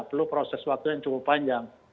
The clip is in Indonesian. perlu proses waktu yang cukup panjang